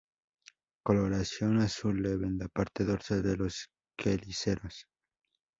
Coloración azul leve en la parte dorsal de los quelíceros.